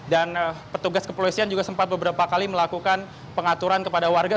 dan petugas kepolisian juga sempat beberapa kali melakukan pengaturan kepada warga